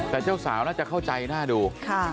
แต่เจ้าสาวน่าจะเข้าใจน่าดู